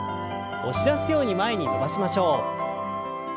押し出すように前に伸ばしましょう。